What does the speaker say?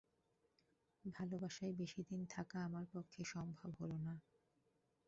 ভাড়াবাসায় বেশিদিন থাকা আমার পক্ষে সম্ভব হল না।